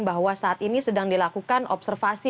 bahwa saat ini sedang dilakukan observasi